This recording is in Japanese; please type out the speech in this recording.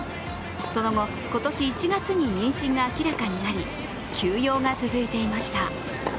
その後今年１月に妊娠が明らかになり休養が続いていました。